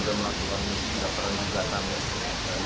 tadi hanya sidang pengucapan putusan tapi perkara crew bukan phpu